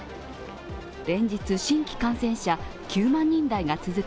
連日、新規感染者９万人台が続く